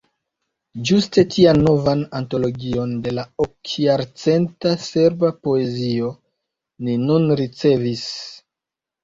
Ĝuste tian novan antologion, de la okjarcenta serba poezio, ni nun ricevis.